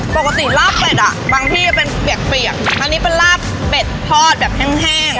ปกติลาบเป็ดอ่ะบางที่จะเป็นเปียกอันนี้เป็นลาบเป็ดทอดแบบแห้ง